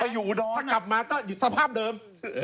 ถ้ากลับมาก็อยู่สภาพเดิม